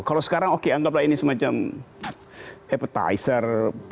kalau sekarang oke anggaplah ini semacam appetizer